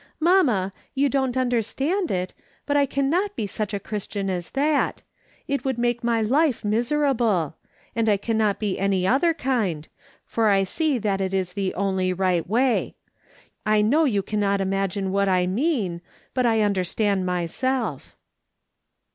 Mamma, you don't understand it, but I cannot be such a Christian as that ; it would make my life miserable ; and I cannot be any other kind, for I see that it is the only right way. I know you cannot imagine what I mean, but I understand myself."